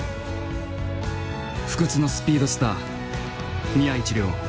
不屈のスピードスター宮市亮。